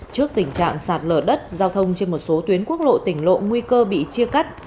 trước tình trạng sạt lở đất giao thông trên một số tuyến quốc lộ tỉnh lộ nguy cơ bị chia cắt